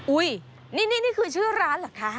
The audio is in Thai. นี่คือชื่อร้านเหรอคะ